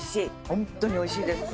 ホントにおいしいです。